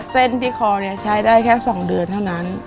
เส้นที่คอใช้ได้แค่๒เดือนเท่านั้น